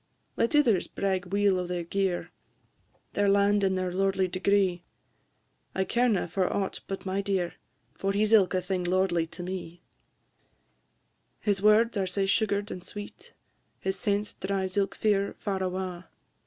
Let ithers brag weel o' their gear, Their land and their lordly degree; I carena for aught but my dear, For he 's ilka thing lordly to me: His words are sae sugar'd and sweet! His sense drives ilk fear far awa'!